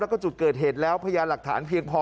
แล้วก็จุดเกิดเหตุแล้วพยานหลักฐานเพียงพอ